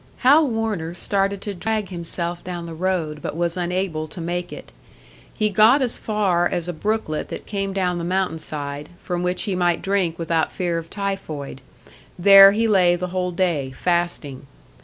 Hal Warner started to drag himself down the road, but was unable to make it. He got as far as a brooklet that came down the mountain side, from which he might drink without fear of typhoid; there he lay the whole day, fasting.